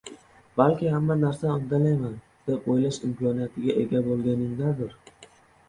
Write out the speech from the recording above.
balki hamma narsani uddalayman, deb o‘ylash imkoniyatiga ega bo‘lganligingdadir.